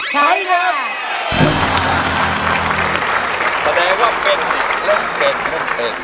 แสดงว่าเป็นเริ่มเป็นเริ่มเป็น